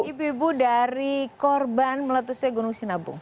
ibu ibu dari korban meletusnya gunung sinabung